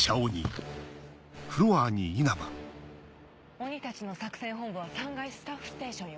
鬼たちの作戦本部は３階スタッフステーションよ。